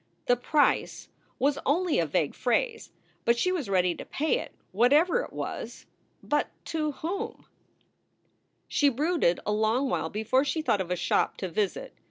The Price was only a vague phrase, but she was ready to pay it, whatever it was. But to whom? SOULS FOR SALE She brooded a long while before she thought of a shop to visit.